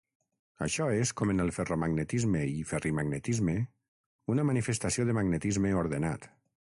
Això és com en el ferromagnetisme i ferrimagnetisme, una manifestació de magnetisme ordenat.